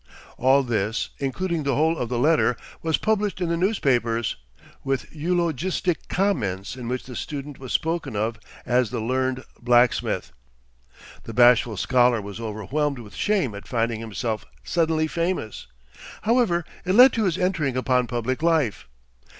All this, including the whole of the letter, was published in the newspapers, with eulogistic comments, in which the student was spoken of as the Learned Blacksmith. The bashful scholar was overwhelmed with shame at finding himself suddenly famous. However, it led to his entering upon public life.